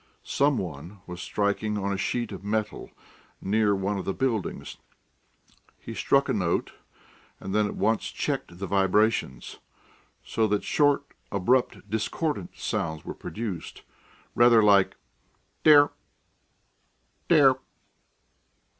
Some one was striking on a sheet of metal near one of the buildings; he struck a note, and then at once checked the vibrations, so that short, abrupt, discordant sounds were produced, rather like "Dair ...